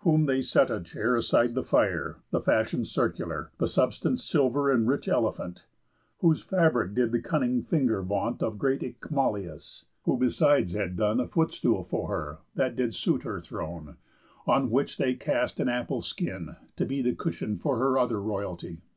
Whom they set a chair Aside the fire, the fashion circular, The substance silver and rich elephant; Whose fabric did the cunning finger vaunt Of great Icmalius, who besides had done A footstool for her that did suit her throne, On which they cast an ample skin, to be The cushion for her other royalty.